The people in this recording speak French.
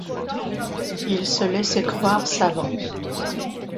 Il se laissait croire savant.